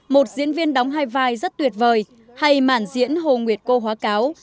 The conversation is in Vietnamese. một diễn viên đóng hai vai rất tuyệt vời hay màn diễn hồ nguyệt cô hóa cáo